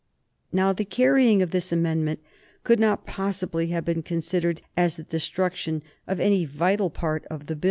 Now the carrying of this amendment could not possibly have been considered as the destruction of any vital part of the Bill.